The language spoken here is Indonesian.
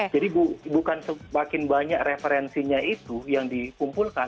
jadi bukan semakin banyak referensinya itu yang dikumpulkan